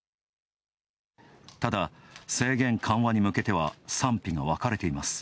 ただ、制限緩和に向けては賛否が分かれています。